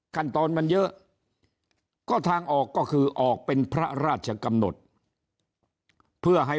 ขั้นตอนมันเยอะก็ทางออกก็คือออกเป็นพระราชกำหนดเพื่อให้